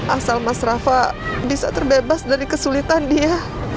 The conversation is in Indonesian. asal mas rafa bisa terbebas dari kesulitan dia